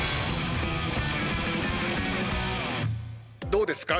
どうですか？